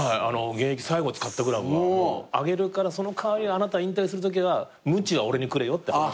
現役最後使ったグラブはあげるからその代わりあなた引退するときはむちは俺にくれよって。